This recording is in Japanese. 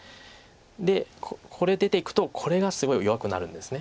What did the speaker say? でこれ出ていくとこれがすごい弱くなるんです。